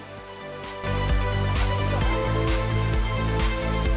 dan komitmen sejumlah warga wonosalam